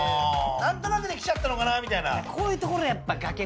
何となくで来ちゃったのかなみたいな。